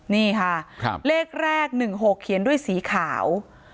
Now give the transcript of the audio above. นี่ค่ะเลขแรกหนึ่งหกเขียนด้วยสีขาว